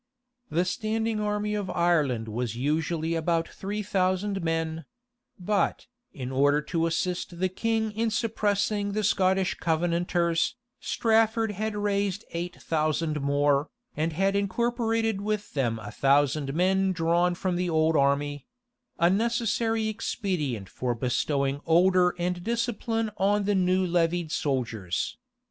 The standing army of Ireland was usually about three thousand men; but, in order to assist the king in suppressing the Scottish Covenanters, Strafford had raised eight thousand more, and had incorporated with them a thousand men drawn from the old army; a necessary expedient for bestowing older and discipline on the new levied soldiers.